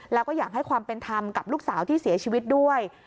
แล้วก็อยากให้ความเป็นธรรมกับลูกสาวที่เสียชีวิตด้วย